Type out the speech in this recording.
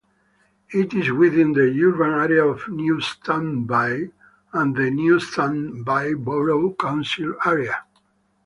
It is within the urban area of Newtownabbey and the Newtownabbey Borough Council area.